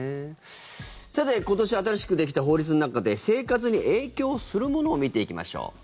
さて、今年は新しくできた法律の中で生活に影響するものを見ていきましょう。